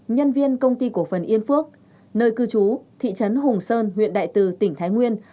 nhân viên công ty cổ phần yên phước nơi cư trú thị trấn hùng sơn huyện đại từ tỉnh thái nguyên